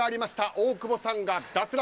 大久保さんが脱落。